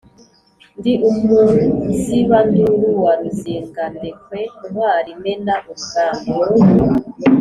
ndi umuzibanduru wa ruzingandekwe, ntwali imena urugamba